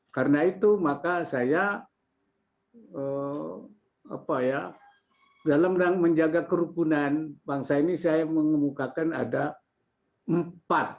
karena itu maka saya dalam menjaga kerukunan bangsa ini saya mengemukakan ada empat